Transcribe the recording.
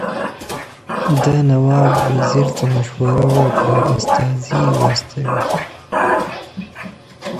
ده نواب وزیر ته مشوره ورکړه استازي واستوي.